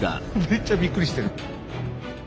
めっちゃびっくりしてる。